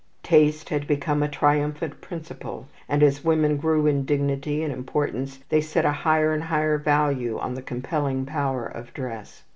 Taste had become a triumphant principle, and as women grew in dignity and importance, they set a higher and higher value on the compelling power of dress.